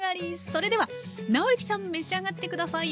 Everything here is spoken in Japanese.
それでは尚之さん召し上がって下さい。